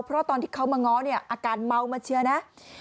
เพราะตอนที่เขามาง้อเนี่ยอาการเมามาเชียร์นะ